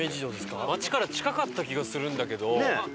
街から近かった気がするんだけど。